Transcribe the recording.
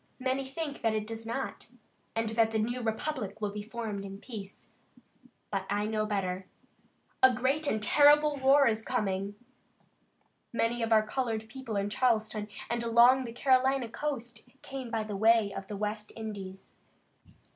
Many think that it does not; that the new republic will be formed in peace, but I know better. A great and terrible war is coming. Many of our colored people in Charleston and along the Carolina coast came by the way of the West Indies.